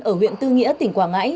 ở huyện tư nghĩa tỉnh quảng ngãi